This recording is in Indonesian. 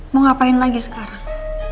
mau ngapain lagi sekarang